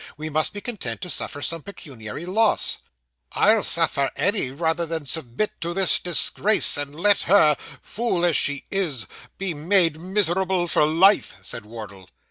We must be content to suffer some pecuniary loss.' 'I'll suffer any, rather than submit to this disgrace, and let her, fool as she is, be made miserable for life,' said Wardle.